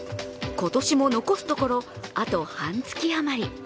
今年も残すところあと半月余り。